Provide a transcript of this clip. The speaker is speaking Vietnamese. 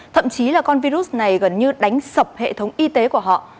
thậm chí là con virus này gần như đánh sập hệ thống y tế của họ